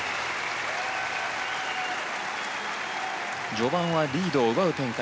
序盤はリードを奪う展開。